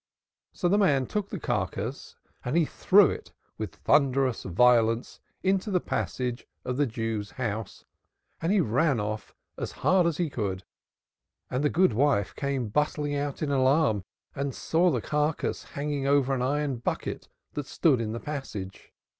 So the man took the carcass and threw it with thunderous violence into the passage of the Jew's house and ran off as hard as he could. And the good wife came bustling out in alarm and saw a carcass hanging over an iron bucket that stood in the passage.